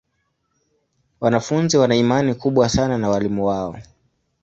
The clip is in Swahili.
Wanafunzi wana imani kubwa sana na walimu wao.